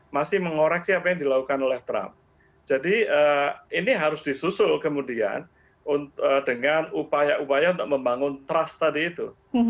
masih mengoreksi apa yang dilakukan oleh trump jadi ini harus disusul kemudian dengan upaya upaya untuk membangun trust tadi itu